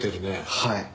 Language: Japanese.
はい。